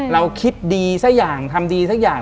เราคิดดีซะอย่างทำดีซะอย่าง